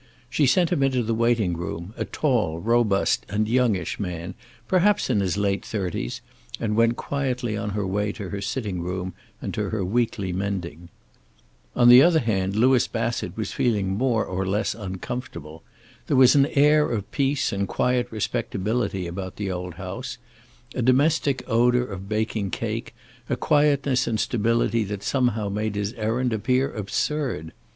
She sent him into the waiting room, a tall, robust and youngish man, perhaps in his late thirties, and went quietly on her way to her sitting room, and to her weekly mending. On the other hand, Louis Bassett was feeling more or less uncomfortable. There was an air of peace and quiet respectability about the old house, a domestic odor of baking cake, a quietness and stability that somehow made his errand appear absurd.